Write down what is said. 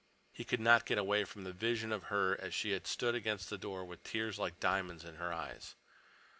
He could not get away from the vision of her as she had stood against the door with tears like diamonds on her cheeks.